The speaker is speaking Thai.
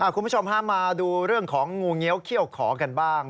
คุณผู้ชมฮะมาดูเรื่องของงูเงี้ยวเขี้ยวขอกันบ้าง